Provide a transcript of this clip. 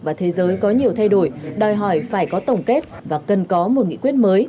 và thế giới có nhiều thay đổi đòi hỏi phải có tổng kết và cần có một nghị quyết mới